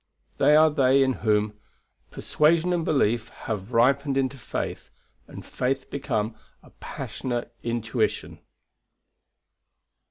They are they in whom "Persuasion and belief Have ripened into faith; and faith become A passionate intuition."